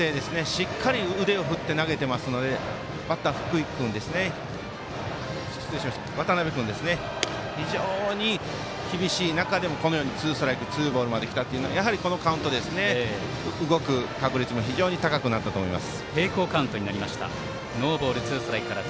しっかり腕を振って投げていますのでバッターは非常に厳しい中でもツーストライクツーボールまできたというのはこのカウント、動く確率も高くなったと思います。